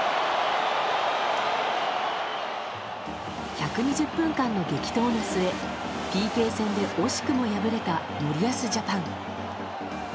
１２０分間の激闘の末ＰＫ戦で惜しくも敗れた森保ジャパン。